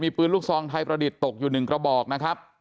มีปืนลูกซองไทยประดิษฐ์ตกอยู่๑กระบอกนะครับ